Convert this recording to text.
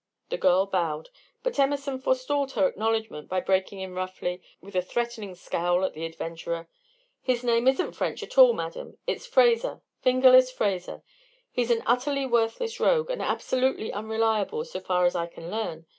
The girl bowed, but Emerson forestalled her acknowledgment by breaking in roughly, with a threatening scowl at the adventurer: "His name isn't French at all, Madam; it's Fraser 'Fingerless' Fraser. He's an utterly worthless rogue, and absolutely unreliable so far as I can learn.